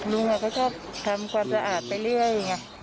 ลูกก็ทำความสะอาดไปเรื่อย